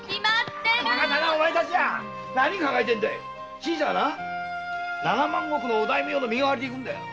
新さんはなお大名の身代わりで行くんだよ。